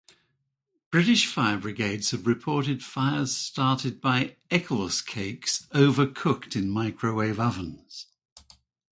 British fire brigades have reported fires started by Eccles cakes overcooked in microwave ovens.